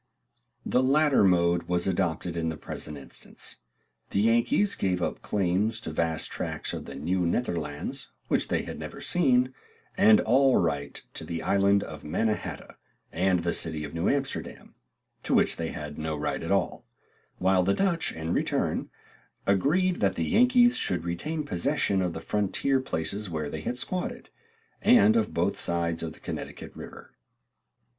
The latter mode was adopted in the present instance. The Yankees gave up claims to vast tracts of the Nieuw Nederlandts which they had never seen, and all right to the island of Manna hata and the city of New Amsterdam, to which they had no right at all; while the Dutch, in return, agreed that the Yankees should retain possession of the frontier places where they had squatted, and of both sides of the Connecticut river.